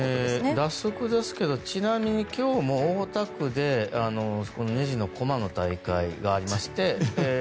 蛇足ですけどちなみに今日も大田区でねじのコマの大会がありまして。